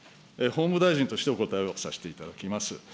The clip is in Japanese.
法務大臣としてお答えをさせていただきます。